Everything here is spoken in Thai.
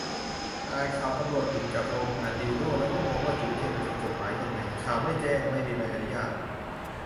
อ่านข่าวตำรวจบุกจับโรงงานดิลโด้ แล้วก็งงว่า จู๋เทียมมันผิดกฎหมายยังไง ? ข่าวไม่แจ้ง ไม่มีใบอนุญาต ?